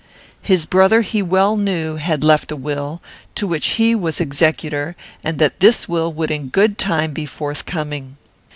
His brother he well knew had left a will, to which he was executor, and that this will would in good time be forthcoming.